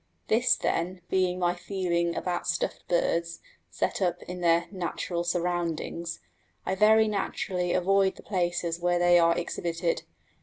This, then, being my feeling about stuffed birds, set up in their "natural surroundings," I very naturally avoid the places where they are exhibited.